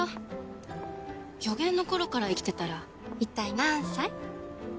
予言の頃から生きてたら一体何歳？